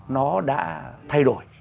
nó đã thay đổi